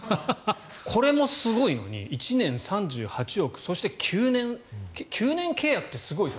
これもすごいのに１年、３８億そして９年契約ってすごいですよ。